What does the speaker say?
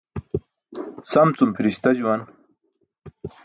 Sam cum pʰiri̇sta juwan.